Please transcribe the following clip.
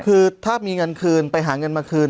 คือถ้ามีเงินคืนไปหาเงินมาคืน